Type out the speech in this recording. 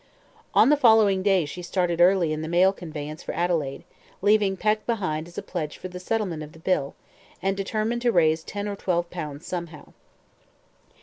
On the following day she started early in the mail conveyance for Adelaide, leaving Peck behind as a pledge for the settlement of the bill, and determined to raise ten or twelve pounds somehow.